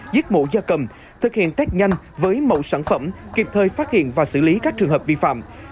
giết mổ da cầm thực hiện test nhanh với mẫu sản phẩm kịp thời phát hiện và xử lý các trường hợp vi phạm